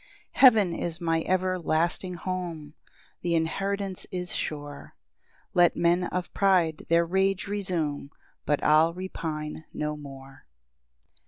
4 Heaven is my everlasting home, Th' inheritance is sure; Let men of pride their rage resume, But I'll repine no more.